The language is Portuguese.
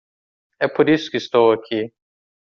É por isso que estou aqui.